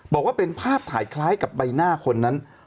บอกว่าเป็นภาพถ่ายคล้ายกับใบหน้าคนนั้น